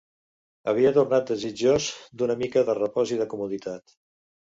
Havia tornat desitjós d'una mica de repòs i de comoditat